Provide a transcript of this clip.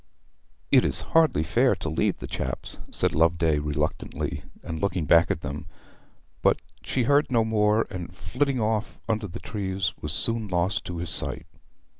'It is hardly fair to leave the chaps,' said Loveday reluctantly, and looking back at them. But she heard no more, and flitting off under the trees, was soon lost to his sight.